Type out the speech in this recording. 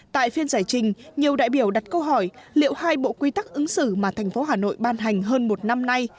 tại phiên giải trình nhiều đại biểu đặt câu hỏi liệu hai bộ quy tắc ứng xử mà thành phố hà nội ban hành hơn một năm nay